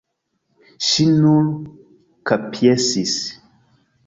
Ŝi nur kapjesis.